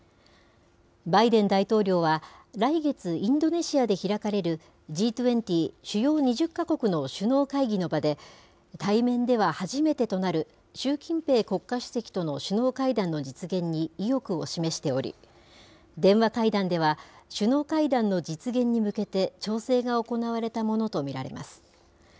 バイデン大統領は、来月、インドネシアで開かれるＧ２０・主要２０か国の首脳会議の場で、対面では初めてとなる習近平国家主席との首脳会談の実現に意欲を示しており、電話会談では、首脳会談の実現に向けて調整が行われたものと見られます。